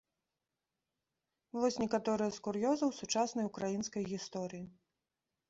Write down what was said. Вось некаторыя з кур'ёзаў сучаснай украінскай гісторыі.